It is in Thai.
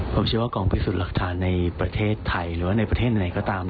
ผมเชื่อว่ากองพิสูจน์หลักฐานในประเทศไทยหรือว่าในประเทศไหนก็ตาม